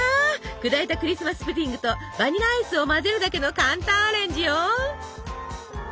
砕いたクリスマス・プディングとバニラアイスを混ぜるだけの簡単アレンジよ！